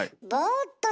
おっと。